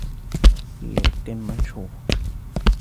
فِي رَقٍّ مَّنشُورٍ